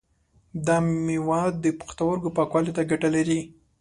دا مېوه د پښتورګو پاکوالی ته ګټه لري.